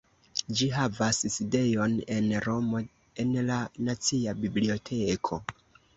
Ĝi havas sidejon en Romo en la nacia biblioteko.